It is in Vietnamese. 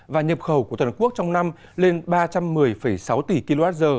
và nhập khẩu của toàn quốc trong năm lên ba trăm một mươi sáu tỷ kwh